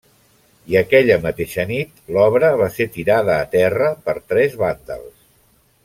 I aquella mateixa nit, l'obra va ser tirada a terra per tres vàndals.